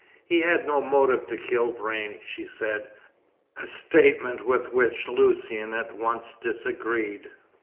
He had no motive to kill Vrain, she said, a statement with which Lucian at once disagreed.